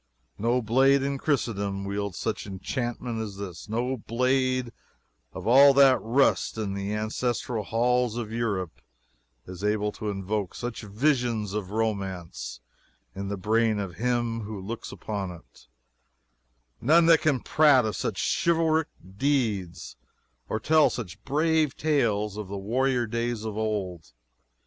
No blade in Christendom wields such enchantment as this no blade of all that rust in the ancestral halls of Europe is able to invoke such visions of romance in the brain of him who looks upon it none that can prate of such chivalric deeds or tell such brave tales of the warrior days of old.